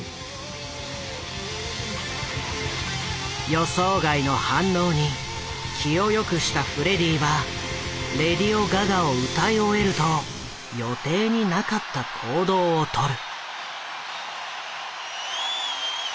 予想外の反応に気をよくしたフレディは「レディオガガ」を歌い終えると予定になかった行動を取る。